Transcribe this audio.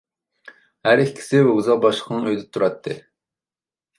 ھەر ئىككىسى ۋوگزال باشلىقىنىڭ ئۆيىدە تۇراتتى.